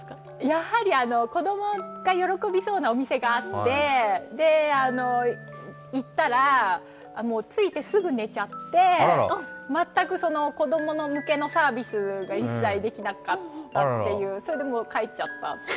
やはり子供が喜びそうなお店があって、行ったら着いてすぐ寝ちゃって全く子ども向けのサービスが一切できなかったという、それで帰っちゃったという。